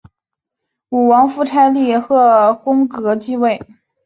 吴王夫差立邾桓公革继位。